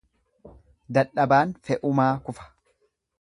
Dadhabaan fe'umaa kufa.